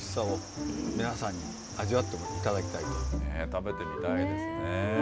食べてみたいですね。